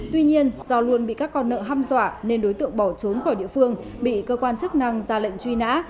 tuy nhiên do luôn bị các con nợ hâm dọa nên đối tượng bỏ trốn khỏi địa phương bị cơ quan chức năng ra lệnh truy nã